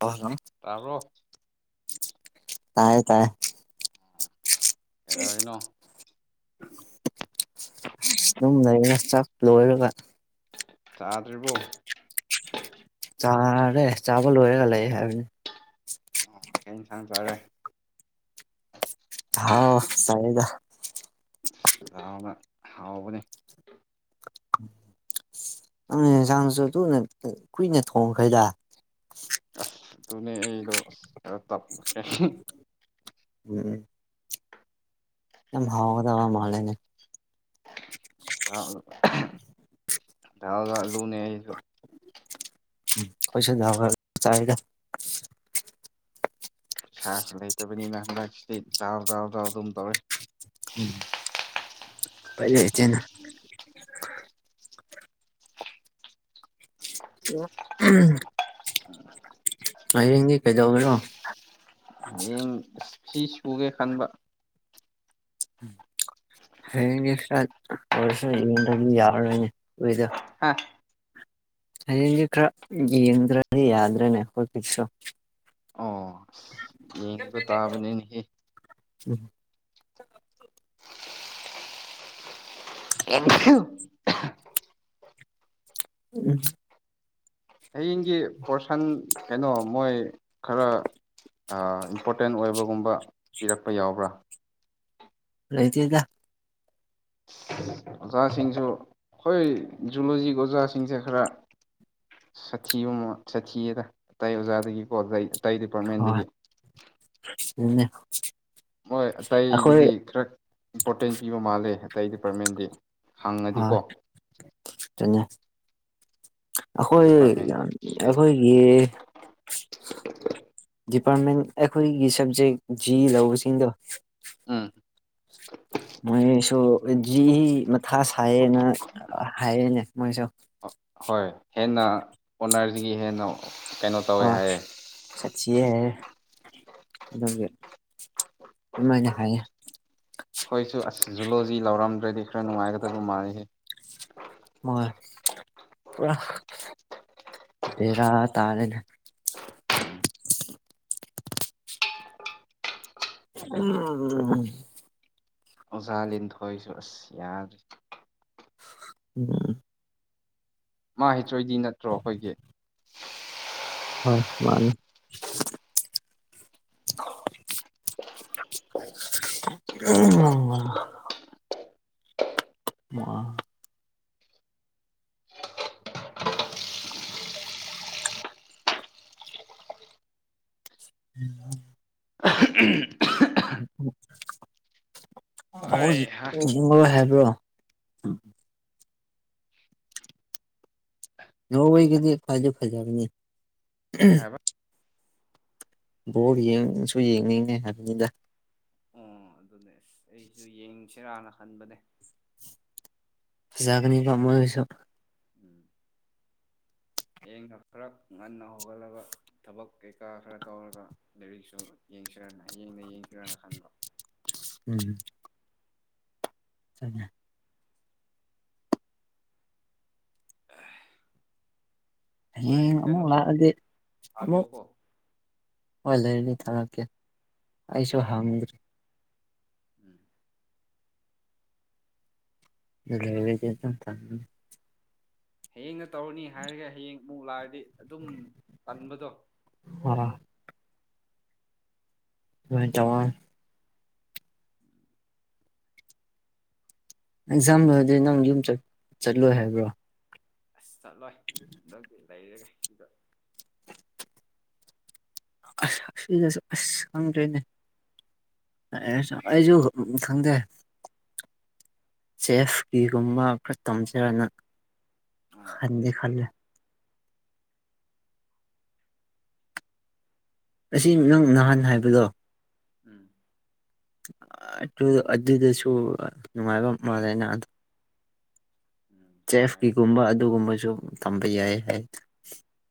ꯑꯣ ꯍꯜꯂꯣ ꯇꯥꯔꯣ ꯇꯥꯏ ꯇꯥꯏ ꯑꯦꯗꯥ ꯃꯅꯣ ꯑꯗꯨꯝ ꯂꯩꯩꯅ ꯆꯥꯛ ꯂꯣꯏꯔꯒ ꯆꯥꯗ꯭ꯔꯤꯕꯣ ꯆꯥꯔꯦ ꯆꯥꯕ ꯂꯣꯏꯔꯦꯒ ꯂꯩ ꯍꯥꯏꯕꯅꯤ ꯑꯣ ꯀ ꯊꯥꯡ ꯇꯔꯦ ꯍꯥꯎ ꯆꯥꯏꯗ ꯅ ꯍꯥꯎꯕꯅꯦ ꯅꯪ ꯌꯦꯟꯁꯥꯡꯅꯁꯨ ꯑꯗꯨꯨꯅ ꯀꯨꯏꯅ ꯊꯣꯡꯈꯩꯗ ꯑꯁ ꯑꯗꯨ ꯑꯩꯗꯣ ꯇꯞ ꯎꯝ ꯌꯥꯝ ꯍꯥꯎꯗꯕ ꯃꯥꯂꯦꯅꯦ ꯊꯒ ꯂꯨꯅ ꯍꯥꯏꯁꯨ [inaudible] ꯀꯩꯁꯨ ꯌꯥꯕ ꯆꯗ ꯁꯥꯁꯨ ꯂꯩꯇꯕꯅꯤꯅ ꯍꯟꯗꯛ ꯁꯤꯗꯤ ꯗꯥꯎ ꯗꯥꯎ ꯗꯥꯎ ꯑꯗꯨꯝ ꯇꯧꯔꯦ ꯎꯝ ꯐꯠꯇꯦꯅ ꯎꯝ [unintelligible] [inaudible] ꯑꯅꯤꯡ ꯀꯩꯗꯎꯒꯔꯣ ꯁꯤ ꯁꯨꯒꯦ ꯈꯟꯕ ꯍꯦꯡ ꯏꯁꯔꯁ ꯌꯦꯗꯤ ꯌꯥꯔꯅꯦ ꯍꯗ ꯍꯥꯥ ꯀ꯭ꯔ ꯌꯦꯟ꯭ꯔꯣꯗꯤ ꯌꯥꯗ꯭ꯔꯦꯅꯦ ꯍꯣꯏꯁꯨ ꯍꯕ ꯇꯥꯕꯅꯤꯅꯤꯍ [unintelligible] [inaudible] ꯑꯦ [unintelligible] [inaudible] ꯎꯝ [unintelligible] [inaudible] ꯍꯌꯦꯡꯒꯤ ꯄꯣꯔꯁꯟ ꯀꯩꯅꯣ ꯃꯣꯏ ꯈꯔ ꯏꯝꯄꯣꯔꯇꯦꯟ ꯑꯣꯏꯕꯒꯨꯝꯕ ꯄꯤꯔꯛꯄ ꯌꯥꯎꯕ꯭ꯔꯥ ꯂꯩꯇꯦꯗ ꯑꯣꯖꯥꯁꯤꯡꯁꯨ ꯑꯩꯈꯣꯏ ꯖꯨꯂꯣꯖꯤꯒꯤ ꯑꯣꯖꯥꯁꯤꯡꯁꯦ ꯈꯔ ꯁꯥꯊꯤꯕ ꯃꯥꯟ ꯁꯥꯊꯤꯌꯦꯗ ꯑꯇꯩ ꯑꯣꯖꯥꯗꯒꯤꯀꯣ ꯒꯩ ꯇꯩ ꯗꯤꯄꯥꯔꯠꯃꯦꯟꯗꯒꯤ ꯎꯝꯅꯦ ꯍꯣꯏ ꯑꯇꯩꯗꯗꯤ ꯈꯔ ꯏꯝꯄꯣꯔꯇꯦꯟ ꯄꯤꯕ ꯃꯥꯜꯂꯦ ꯑꯇꯩ ꯗꯤꯄꯥꯔꯠꯃꯦꯟꯗꯤ ꯍꯪꯉꯗꯤꯀꯣ ꯆꯟꯌꯥ ꯑꯩꯈꯣꯏ ꯗꯤꯄꯥꯔꯠꯃꯦꯟꯒꯤ ꯌꯥꯝ ꯄꯤꯗꯦꯕ ꯑꯩꯈꯣꯏꯒꯤ ꯗꯤꯄꯥꯔꯠꯃꯦꯟ ꯑꯩꯈꯣꯏꯒꯤ ꯁꯕꯖꯦꯛ ꯖꯤ ꯂꯧꯕꯁꯤꯡꯗꯣ ꯎꯝ ꯃꯣꯏꯁꯨ ꯖꯤ ꯏ ꯃꯊꯥ ꯁꯥꯏꯌꯦꯅ ꯍꯥꯏꯌꯦꯅꯦ ꯃꯣꯏꯁꯨ ꯍꯣꯏ ꯍꯦꯟꯅ ꯑꯣꯅꯔꯁꯒꯤ ꯍꯦꯟꯅ ꯀꯩꯅꯣ ꯇꯧꯋꯦ ꯍꯥꯏꯌꯦ ꯆꯠꯁꯤ ꯍꯥꯏꯔꯦ ꯑꯗꯨꯒꯤ ꯑꯗꯨꯃꯥꯏꯅ ꯍꯥꯏꯌꯦ ꯑꯩꯈꯣꯏꯁꯨ ꯑꯁ ꯖꯨꯂꯣꯖꯤ ꯂꯥꯎꯔꯝꯗ꯭ꯔꯗꯤ ꯈꯔ ꯅꯨꯡꯉꯥꯏꯒꯗꯕ ꯃꯥꯜꯂꯤꯍꯦ ꯃꫭꯏ ꯄꯨꯔꯥ ꯕꯦꯔꯥ ꯇꯥꯔꯦꯅ ꯎꯝ ꯑꯣꯖꯥ ꯂꯤꯟꯊꯣꯏꯁꯨ ꯑꯁ ꯌꯥ ꯎꯝ ꯃꯥ ꯍꯩꯇ꯭ꯔꯣꯏꯗꯤ ꯅꯠꯇ꯭ꯔꯣ ꯑꯩꯈꯣꯏꯒꯤ ꯑꯝ ꯃꯥꯟꯅꯦ ꯎꯍꯨꯝ ꯑ ꯎꯝ [inaudible] ꯍꯣꯏ ꯍꯥ ꯑꯈꫭꯏꯁꯤ ꯖꯤꯡꯉꯔꫭꯏ ꯍꯥꯏꯕ꯭ꯔꯣ ꯅꯈꫭꯏꯒꯤꯗꯤ ꯐꯁꯨ ꯐꯖꯕꯅꯦ ꯀꯩ ꯍꯥꯏꯕ ꯕꯣꯔ ꯌꯦꯡꯁꯨ ꯌꯦꯡꯅꯤꯡꯉꯦ ꯍꯥꯏꯕꯅꯤꯗ ꯑꯣ ꯑꯗꯨꯅꯦ ꯑꯩꯁꯨ ꯌꯦꯡꯁꯤꯔꯥꯅ ꯈꯟꯕꯅꯦ ꯐꯖꯒꯅꯤ ꯀꫭ ꯃꯣꯏꯁꯨ ꯎꯝ ꯍꯌꯦꯡꯅ ꯈꯔ ꯉꯟꯅ ꯍꯧꯒꯠꯂꯒ ꯊꯕꯛ ꯀꯩꯀꯥ ꯈꯔ ꯇꯧꯔꯒ ꯂꯥꯏꯔꯤꯛꯁꯨ ꯌꯦꯡꯁꯤꯔꯅ ꯍꯌꯦꯡꯗ ꯌꯦꯡꯁꯤꯔꯅ ꯈꯟꯕ ꯎꯝ ꯆ ꯅꯥ ꯑ ꯍꯌꯦꯡ ꯑꯃꯨꯛ ꯂꯥꯛꯑꯗꯤ ꯑꯃꯨꯛ ꯊꯥꯕꯤꯌꯣꯀꯣ ꯍꯣꯏ ꯂꯩꯔꯅꯤ ꯊꯥꯔꯛꯀꯦ ꯍꯣꯏ ꯑꯩꯁꯨ ꯍꯥꯡꯗꯦ [inaudible] ꯂꯩꯔꯗꯤ ꯊ ꯍꯌꯦꯡꯅ ꯇꯧꯔꯅꯤ ꯍꯥꯏꯔꯒ ꯍꯌꯦꯡ ꯑꯃꯨꯛ ꯂꯥꯛꯔꯗꯤ ꯑꯗꯨꯝ ꯇꯟꯕꯗꯣ ꯑꯗꯨꯃꯥꯏꯟ ꯇꯧꯋꯥꯡ ꯑꯦꯛꯖꯥꯝ ꯂꯣꯏꯔꯗꯤ ꯅꯪ ꯌꯨꯝ ꯆꯠ ꯆꯠꯂꯣꯏ ꯍꯥꯏꯕ꯭ꯔꯣ ꯑꯁ ꯆꯠꯂꯣꯏ ꯍꯟꯗꯛꯇꯤ ꯂꯩꯔꯒꯦ ꯁꯤꯗ ꯑ ꯁꯤꯗꯁꯨ ꯑꯁ ꯈꯪꯗ꯭ꯔꯤꯅꯦ ꯑ ꯑꯩꯁꯨ ꯈꯪꯗꯦ ꯆꯦꯐꯀꯤꯒꯨꯝꯕ ꯈꯔ ꯇꯝꯁꯤꯔꯅ ꯑꯣ ꯈꯟꯗꯤ ꯑꯗꯨꯅ ꯈꯜꯂꯦ ꯑꯁꯤ ꯅꯪ ꯅꯍꯥꯟ ꯍꯥꯏꯕꯗꯣ ꯎꯝ ꯑꯗꯨꯗꯤꯁꯨ ꯅꯨꯡꯉꯥꯏꯕ ꯃꯦ ꯅ ꯎꯝ ꯅꯨꯡꯉꯥꯏꯔꯅꯤ ꯆꯦꯐꯀꯤꯒꯨꯝꯕ ꯑꯗꯨꯒꯨꯝꯕꯁꯨ ꯇꯝꯕ ꯌꯥꯏ ꯍꯥꯏ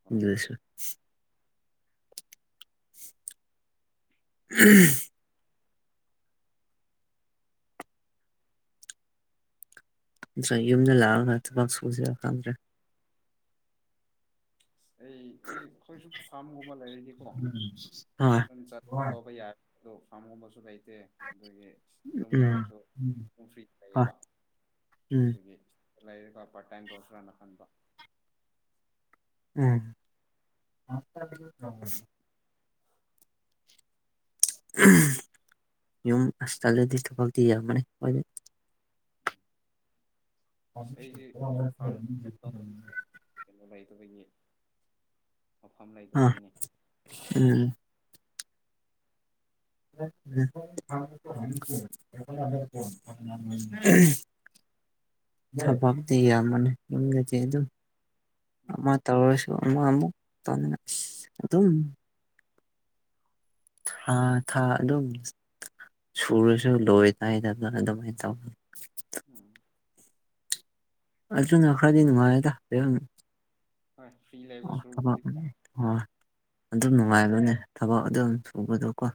ꯍꯣꯏ ꯑꯗꯨꯁꯨ ꯎꯝ ꯅꯠꯇ꯭ꯔ ꯌꯨꯝꯗ ꯂꯥꯛꯑꯒ ꯊꯕꯛ ꯁꯨꯁꯤꯔ ꯈꯪꯗ꯭ꯔꯦ ꯑꯩ ꯑꯩ ꯑꯩꯈꯣꯏꯁꯨ ꯐꯥꯝꯒꯨꯝꯕ ꯂꯩꯔꯗꯤꯀꯣ ꯍꯣꯏ ꯑꯗꯨ ꯇꯧꯕ ꯌꯥꯔ ꯐꯥꯝ ꯍꯝꯁ ꯍꯥꯏꯥꯏ ꯎꯝ ꯑꯗꯨꯝ ꯐ꯭ꯔꯤ ꯍ ꯎꯝ ꯀ ꯄ ꯇꯥꯏ ꯇꯣꯁ꯭ꯔꯅ ꯐꯟꯄ ꯎꯝ ꯌꯨꯝ ꯑꯁꯇꯥꯗꯤ ꯊꯄꯗꯤ ꯌꯥ ꯃ ꯀꯣꯏ ꯑꯩꯗꯤ ꯑꯩꯁꯨ ꯐꯥ ꯀꯩꯅꯣ ꯂꯩꯗꯒꯤ ꯃꯐꯝ ꯑ ꯂꯩꯇꯕꯒꯤꯅꯦ ꯎꯝ [unintelligible] [unintelligible] [unintelligible] ꯕꯗꯌꯥꯃꯟ ꯌꯦꯒ ꯆꯩꯗꯨ ꯎꯝ ꯑꯃ ꯇꯧꯔꯁꯨ ꯑꯃ ꯑꯃꯨꯛ ꯇꯧꯅꯤꯅ ꯑꯁ ꯑꯗꯨꯝ ꯍꯥꯥ ꯊꯥ ꯑꯗꯨꯝ ꯁꯨꯔ ꯁ ꯂꯣꯏ ꯇꯥꯏꯗꯗꯅ ꯑꯗꯨꯃꯥꯏ ꯇꯃ ꯎꯝ ꯑꯖꯨꯅ ꯑꯈ꯭ꯔꯥꯗꯤꯅꯅꯨꯡ ꯇꯔꯣ ꯍꯣꯏ ꯐ꯭ꯔꯤ ꯎ ꯂꯩꯕ ꯁꯔꯨꯛꯄꯨꯗꯤ ꯑꯗꯨꯝ ꯐ꯭ꯔꯤ ꯂꯩꯕ ꯅꯨꯡꯉꯥꯏꯕꯅꯦ ꯊꯕꯛ ꯑꯗꯨꯝ ꯁꯨꯕꯗꯣꯀꯣ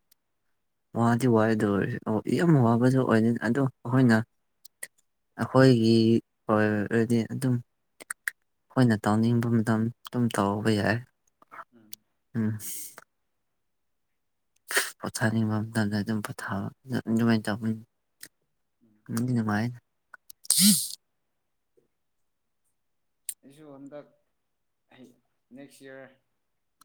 ꯋꯥꯗꯤ ꯋꯥꯗꯣꯏꯔꯁꯦ ꯑꯣ ꯌꯥꯝ ꯋꯥꯕꯗꯨ ꯑꯣꯏꯅꯤꯅꯤ ꯑꯗꯣ ꯑꯩꯈꯣꯏꯅ ꯑꯩꯈꯣꯏꯒꯤ ꯍꯗꯤ ꯑꯗꯨꯝ ꯑꯩꯈꯣꯏꯅ ꯇꯧꯅꯤꯡꯕ ꯃꯇꯝ ꯑꯗꯨꯝ ꯇꯥꯎꯧꯕ ꯌꯥꯏ ꯎꯝ ꯎꯝ ꯄꯣꯊꯥꯅꯤꯡꯕ ꯃꯇꯝꯗ ꯑꯗꯨꯝ ꯄꯣꯊꯥꯕ ꯑꯗꯨꯃꯥꯏꯅ ꯇꯧꯅꯤ ꯎꯝ ꯃꯗꯤ ꯃꯥꯏ ꯑꯩꯁꯨ ꯍꯟꯗꯛ ꯅꯦꯛꯁ ꯏꯌꯥꯔ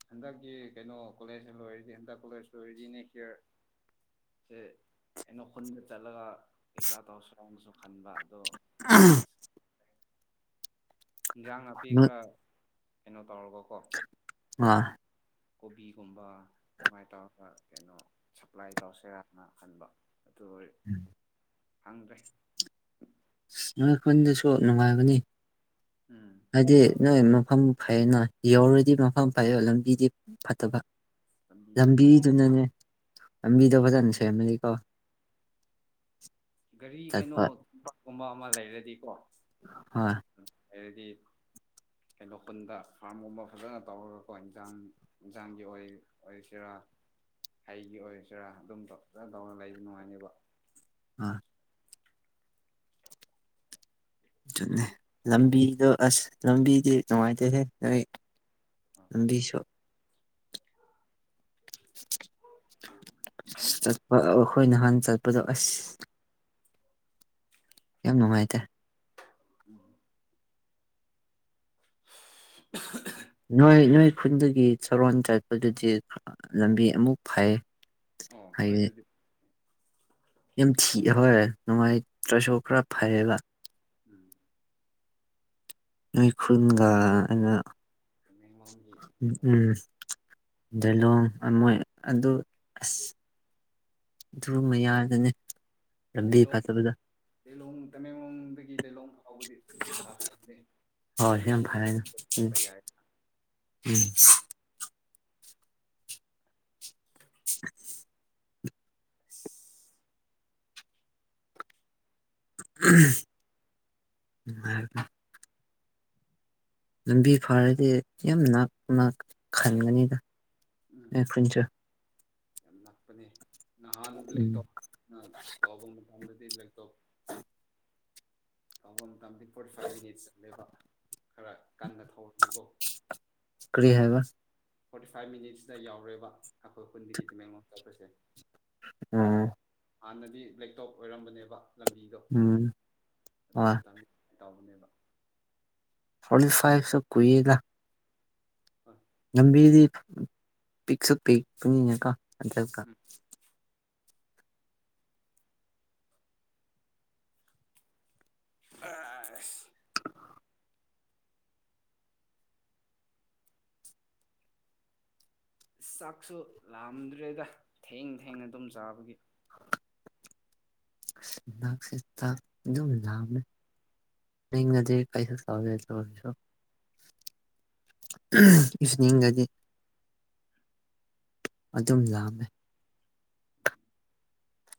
ꯍꯟꯗꯛꯀꯤ ꯀꯩꯅꯣ ꯀꯣꯂꯦꯖ ꯂꯣꯏꯔꯗꯤ ꯍꯟꯗꯛ ꯀꯣꯂꯦꯖ ꯂꯣꯏꯔꯤꯗꯤ ꯅꯦꯛꯁ ꯏꯔ ꯁ ꯑꯩꯅꯣ ꯈꯨꯅ ꯆꯠꯂꯒ ꯏꯀꯥꯗꯁꯣꯡꯁꯨ ꯈꯟꯕ ꯑꯗꯣ ꯏꯟꯁꯥꯡ ꯅꯥꯄꯤ ꯈꯔ ꯀꯩꯅꯣ ꯇꯧꯔꯒꯀꯣ ꯑ ꯀꯣꯕꯤꯒꯨꯝꯕ ꯑꯗꯨꯃꯥꯏꯅ ꯇꯧꯔꯒ ꯀꯩꯅꯣ ꯁꯞꯄ꯭ꯂꯥꯏ ꯇꯧꯁꯦꯔꯅ ꯈꯟꯕ ꯑꯗꯨꯏ ꯍꯪꯗ꯭ꯔꯦ ꯅꯣꯏꯈꯣꯏꯗꯁꯨ ꯅꯨꯡꯉꯥꯏꯕꯅꯤ ꯎꯝ ꯍꯥꯏꯗꯤ ꯅꯣꯏ ꯃꯐꯝ ꯐꯩꯌꯦꯅ ꯌꯧꯔꯗꯤ ꯃꯐꯝ ꯐꯩꯌꯦ ꯂꯝꯕꯤꯗꯤ ꯐꯠꯇꯕ ꯂꯝꯕꯤꯗꯤ ꯐꯠꯇꯦ ꯂꯝꯕꯤꯗꯨꯅꯅꯦ ꯂꯝꯕꯤꯗꯣ ꯐꯖꯅ ꯁꯦꯝꯔꯃꯅꯤꯀꯣ [unintelligible] ꯒꯥꯔꯤ ꯀꯩꯅꯣ ꯀꯨꯝꯕ ꯑꯃ ꯂꯩꯔꯗꯤꯀꯣ ꯍ ꯑꯦꯗꯤ ꯀꯩꯅꯣ ꯈꯨꯟꯗ ꯐꯥꯔꯝꯒꯨꯝꯕ ꯐꯖꯅ ꯇꯧꯔꯒꯀꯣ ꯏꯟꯖꯥꯡ ꯌꯦꯟꯖꯥꯡꯒꯤ ꯑꯣꯏ ꯆꯔꯥ [unintelligible] ꯑꯩꯒꯤ ꯑꯣꯏꯁꯤꯔꯥ ꯑꯗꯨꯝ ꯐꯖꯅ ꯇꯧꯅ ꯂꯩꯕ ꯅꯨꯡꯉꯥꯏꯅꯦꯕ ꯑꯥ ꯑꯗꯨ ꯂꯝꯕꯤꯗꯣ ꯑꯁ ꯂꯝꯕꯤꯗꯤ ꯅꯨꯡꯉꯥꯏꯇꯦꯍꯦ ꯅꯣꯏ ꯑꯗꯁꯣ ꯆꯠꯄ ꯑꯩꯈꯣꯏ ꯅꯍꯥꯟ ꯆꯠꯄꯗꯣ ꯑꯁ ꯌꯥꯝ ꯅꯨꯡꯉꯥꯏꯇꯦ ꯅꯣꯏ ꯅꯣꯏ ꯈꯨꯟꯒꯤ ꯁꯔꯣꯟ ꯆꯠꯄꯗꯨꯗꯤ ꯂꯝꯕꯤ ꯑꯃꯨꯛ ꯐꯩ ꯑꯣ ꯍꯣꯏ ꯍꯥꯏꯗꯤ ꯑꯗꯨꯗꯤ ꯌꯥꯝ ꯊꯤ ꯍꯣꯏ ꯅꯨꯡꯉꯥꯏꯇ꯭ꯔꯁꯨ ꯈꯔ ꯐꯩꯌꯦꯕ ꯎꯝ ꯅꯣꯏ ꯈꯨꯟꯒ ꯑꯩꯅ ꯀꯃ ꯂꯒꯤ ꯀꯩꯅꯣ ꯇ ꯗꯂꯣꯡ ꯑꯃ ꯑꯗꯨ ꯑꯁ ꯑꯗꯨ ꯃꯌꯥꯗꯅꯤ ꯂꯝꯕꯤ ꯐꯠꯇꯕꯗ ꯂꯤꯂꯣꯡ ꯇꯃꯦꯡꯂꯣꯡꯗꯒꯤ ꯂꯤꯂꯣꯡ ꯐꯥꯎꯕꯗꯤ ꯊꯥꯈ꯭ꯔꯕꯅꯤ ꯍꯣꯏ ꯍꯣꯏ ꯁꯤ ꯌꯥꯝ ꯐꯔꯦꯅ ꯎꯝ ꯎꯝ [inaudible] [inaudible] ꯂꯝꯕꯤ ꯐꯔꯗꯤ ꯌꯥꯝꯛꯅ ꯈꯟꯒꯅꯤꯗ ꯎꯝ ꯑꯦ ꯈꯨ ꯆ ꯌꯥꯝ ꯅꯛꯄꯅꯦ ꯅꯍꯥꯟ ꯎꯝ ꯂꯦꯇꯣꯞꯅ ꯇꯧꯕ ꯃꯇꯝꯗꯗꯤ ꯂꯦꯇꯣꯞ ꯇꯐꯝ ꯃꯇꯝꯗꯤ ꯐꯣꯔꯇꯤ ꯐꯥꯏꯚ ꯃꯤꯅꯤꯠ ꯆꯠꯂꯦꯕ ꯈꯔ ꯀꯟꯅ ꯊꯧꯔꯁꯤꯀꯣ ꯀꯔꯤ ꯍꯥꯏꯕ ꯐꯣꯔꯇꯤ ꯐꯥꯏꯚ ꯃꯤꯅꯤꯠꯁꯇ ꯌꯥꯎꯔꯦꯕ ꯑꯩꯈꯣꯏ ꯀꯨꯟꯗꯒꯤ ꯇꯨꯃꯦꯡꯂꯣ ꯆꯠꯄꯁꯦ ꯎꯝ ꯍꯥꯟꯅꯗꯤ ꯂꯕꯦꯛꯇꯣꯞ ꯑꯣꯏꯔꯝꯕꯅꯦꯕ ꯂꯝꯕꯤꯗꯣ ꯎꯝ ꯍꯣꯏ ꯑꯗꯨꯝꯕ ꯇꯅꯤ ꯇꯥꯎꯕꯅꯦꯕ ꯐꯂꯤ ꯐꯥꯏ ꯁ ꯀꯨꯏꯗ ꯍꯣꯏ ꯂꯝꯕꯤꯗꯤ ꯄꯤꯛ ꯁ ꯄꯤꯛ ꯄꯪꯅꯤꯡꯉꯀꯣ ꯍꯟꯗ ꯎꯝ ꯑ ꯆꯥꯛꯁꯨ ꯂꯥꯑꯝꯗ꯭ꯔꯦꯗ ꯊꯦꯡ ꯊꯦꯡꯅ ꯑꯗꯨꯝ ꯆꯥꯕꯒꯤ ꯁꯤ ꯑꯗꯨꯝ ꯂ ꯅꯖꯤ ꯀꯩ ꯁꯁꯨ ꯏꯁꯅꯤ ꯏꯪꯒꯥꯖꯤ ꯑꯗꯨꯝ ꯂꯥꯝꯃꯦ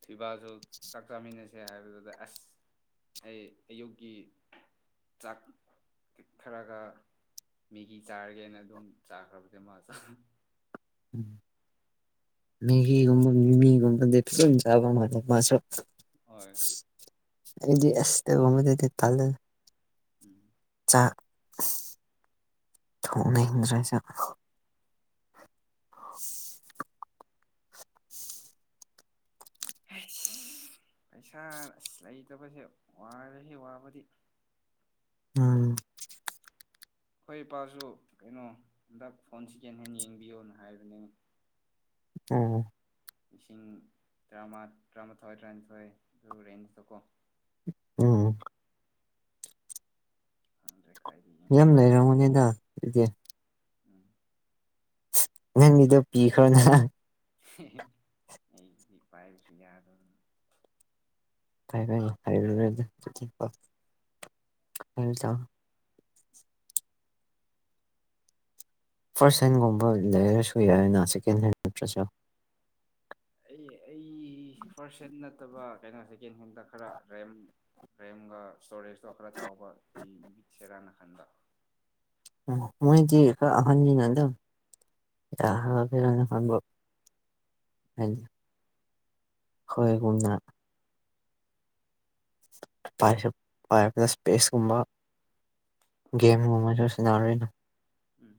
ꯐꯤꯕꯥꯜꯁꯨ ꯆꯥꯛ ꯆꯥꯃꯤꯟꯅꯁꯦ ꯍꯥꯏꯕꯗꯨꯗ ꯑꯁ ꯑꯩ ꯑꯌꯨꯛꯀꯤ ꯆꯥꯛ ꯄꯤꯛꯈꯔꯒ ꯃꯦꯒꯤ ꯆꯥꯔꯒꯦꯅ ꯑꯗꯨꯝ ꯆꯥꯈ꯭ꯔꯕꯁꯦ ꯃꯥ ꯃꯦꯘꯤ ꯀꯕ ꯃꯤꯃꯤꯒꯝꯕꯗ ꯆꯥꯕ ꯃ ꯃꯥꯁ ꯍꯣꯏ ꯑꯩꯗꯤ ꯑꯁꯇ ꯀꯃꯗꯗꯤ ꯇꯂꯦ ꯎꯝ ꯆꯥꯛ ꯊꯣꯡꯅ ꯍꯤꯡꯗ꯭ꯔꯦꯁꯦ [inaudible] ꯐ ꯄꯩꯁꯥ ꯑꯁ ꯂꯩꯇꯕꯁꯦ ꯋꯥꯔꯦꯁꯤ ꯋꯥꯕꯗꯤ ꯎꯝ ꯍꯣꯏ ꯏꯄꯥꯁꯨ ꯀꯩꯅꯣ ꯍꯟꯗꯛ ꯐꯣꯟ ꯁꯦꯀꯦꯟ ꯍꯦꯟ ꯌꯦꯡꯕꯤꯌꯣꯅ ꯍꯥꯏꯕꯅꯤ ꯎꯝ ꯂꯤꯁꯤꯡ ꯇꯔꯥꯃ ꯇꯔꯥꯃꯥꯊꯣꯏ ꯇꯔꯥꯅꯤꯊꯣꯏ ꯑꯗꯨ ꯔꯦꯟꯖꯇꯀꯣ ꯎꯝ ꯈꯪꯗ꯭ꯔꯦ ꯀꯥꯏꯗ ꯌꯦꯡꯕ ꯌꯥꯝ ꯆꯠꯁꯤ ꯂꯩꯔꯝꯃꯣꯅꯦꯗ ꯏꯗꯤ ꯎꯝ ꯅ ꯃꯤꯗ ꯄꯤ ꯈꯔꯅꯦ ꯑꯩ ꯄꯥꯏꯁꯤ ꯌꯥꯗ ꯐ ꯐ ꯍꯥꯏ ꯍꯥꯏ ꯊ ꯐꯥꯔꯁ ꯍꯦꯟꯒꯨꯝꯕ ꯂꯩꯔꯁꯨ ꯌꯥꯏꯅ ꯁꯦꯀꯦꯟ ꯍꯦꯟ ꯅꯠꯇ꯭ꯔꯁꯨ ꯑꯩ ꯐꯥꯔꯁ ꯍꯦꯟ ꯅꯠꯇꯕ ꯀꯩꯅꯣ ꯁꯦꯀꯦꯟ ꯍꯦꯟꯗ ꯈꯔꯔꯦꯝ ꯔꯦꯝꯒ ꯏꯁꯇꯣꯔꯦꯖꯇꯣ ꯈꯔ ꯆꯥꯎꯕ ꯑꯩ ꯠꯁꯦꯔꯥꯅ ꯈꯟꯕ ꯃꯣꯏꯗꯤꯀ ꯑꯍꯟꯖꯤ ꯅꯗꯣ ꯌꯥ ꯐ ꯍ ꯍꯣꯏꯒꯨꯨꯝꯅ ꯄꯥꯏꯔꯅ ꯏꯁꯄꯦꯁꯀꯨꯝꯕ ꯒꯦꯝ [unintelligible] ꯎꯝ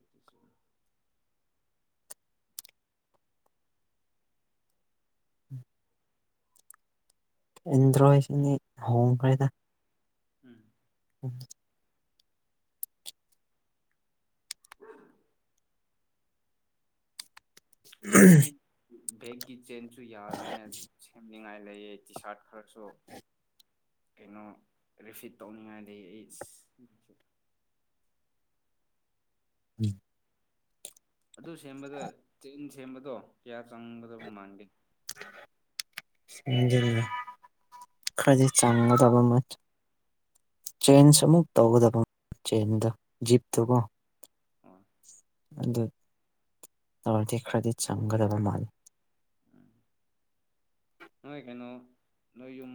[unintelligible] ꯏꯟꯗ꯭ꯔꯣꯁꯤꯅꯤ ꯍꯣꯡꯈ꯭ꯔꯦꯗ ꯎꯝ ꯎꯝ ꯎꯝ ꯕꯦꯛꯀꯤ ꯆꯦꯟꯁꯨ ꯌꯥꯗ꯭ꯔꯦꯅꯦ ꯁꯦꯝꯅꯤꯡꯉꯥꯏ ꯂꯩꯌꯦ ꯇꯤ ꯁꯥꯔꯠ ꯈꯔꯁꯨ ꯀꯩꯅꯣ ꯔꯤꯐꯤꯠ ꯇꯧꯅꯤꯡꯉꯥꯏꯗꯒꯤ ꯑꯩ ꯎꯝ ꯑꯗꯨ ꯁꯦꯝꯕꯗ ꯆꯦꯟ ꯁꯦꯝꯕꯗꯣ ꯀꯌꯥ ꯆꯪꯒꯗꯕ ꯃꯥꯟꯒꯦ ꯑꯗꯥ ꯈꯔꯗꯤ ꯆꯪ ꯑꯕꯃ ꯆꯦꯟꯁ ꯑꯃꯨꯛ ꯇꯧꯒꯗꯕ ꯆꯦꯟꯗ ꯖꯤꯞꯇꯨꯒꯣ ꯑ ꯑꯗꯨ ꯇꯔꯗꯤ ꯈꯔꯗꯤ ꯆꯪꯒꯗꯕ ꯃꯥꯜꯂꯤ ꯎꯝ ꯅꯣꯏ ꯀꯩꯅꯣ ꯅꯣꯏ ꯌ